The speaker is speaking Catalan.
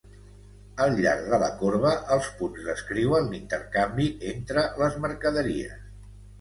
Al llarg de la corba els punts descriuen l'intercanvi entre les mercaderies.